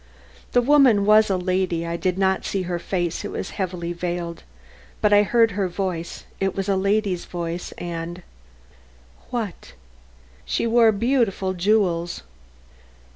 "The woman was a lady. I did not see her face, it was heavily veiled, but I heard her voice; it was a lady's voice and " "What?" "She wore beautiful jewels."